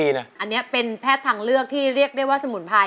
อันนี้เป็นแพทย์ทางเลือกที่เรียกได้ว่าสมุนไพร